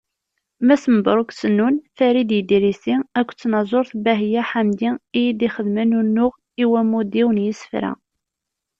Mass Mebruk Sennun, Farid Idrisi akked tnaẓurt Bahiya Ḥamdi i yi-d-ixedmen unuɣ i wammud-iw n yisefra.